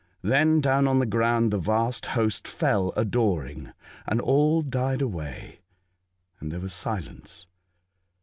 Then down on the ground the vast host fell adoring, and all died away, and there was silence.